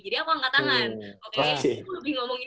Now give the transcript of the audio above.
jadi aku angkat tangan